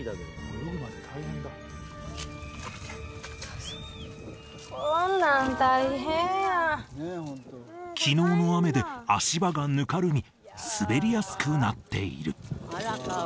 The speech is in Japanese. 泳ぐまで大変だ昨日の雨で足場がぬかるみ滑りやすくなっている